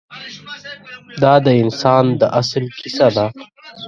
دا د انسان د اصل کیسه ده.